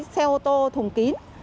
xe ô tô thùng kín